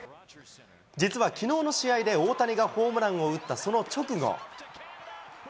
実はきのうの試合で大谷がホームランを打ったその直後。